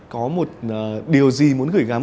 có một điều gì muốn gửi gắm